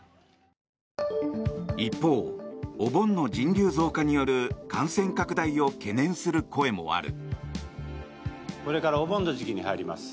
一方、お盆の人流増加による感染拡大を懸念する声もある。